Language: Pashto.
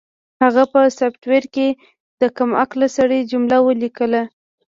هغه په سافټویر کې د کم عقل سړي جمله ولیکله